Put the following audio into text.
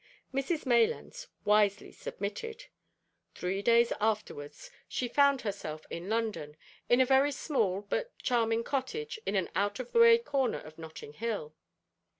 Mrs Maylands wisely submitted. Three days afterwards she found herself in London, in a very small but charming cottage in an out of the way corner of Nottinghill.